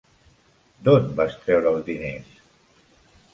D'on vas treure els diners?